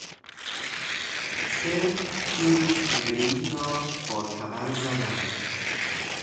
سر کوئین مری را با تبر زدند.